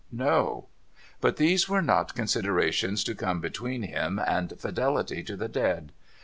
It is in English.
No. But these were not considerations to come between him and fidelity to the dead.